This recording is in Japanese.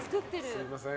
すみません